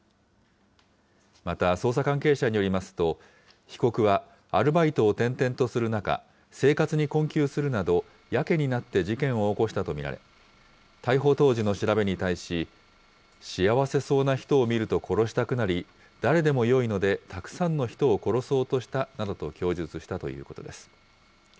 また、捜査関係者によりますと、被告はアルバイトを転々とする中、生活に困窮するなど、やけになって事件を起こしたと見られ、逮捕当時の調べに対し、幸せそうな人を見ると殺したくなり、誰でもよいのでたくさんの人を殺そうとしたなどと供述したということです。